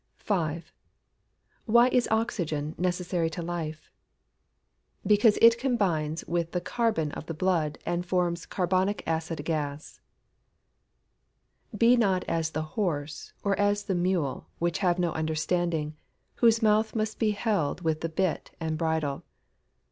5. Why is oxygen necessary to life? Because it combines with the carbon of the blood, and forms carbonic acid gas. [Verse: "Be not as the horse, or as the mule, which have no understanding: whose mouth must be held with the bit and bridle."